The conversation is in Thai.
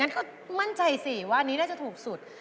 ก็มั่นใจสิว่านี้เนี้ยจะถูกสุด